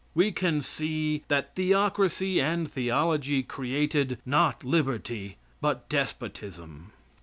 We can see that theocracy and theology created, not liberty, but despotism.